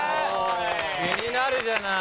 気になるじゃない。